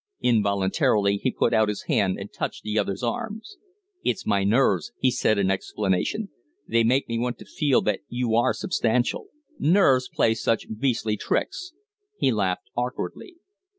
Involuntarily he put out his hand and touched the other's arm. "It's my nerves!" he said, in explanation. "They make me want to feel that you are substantial. Nerves play such beastly tricks!" He laughed awkwardly.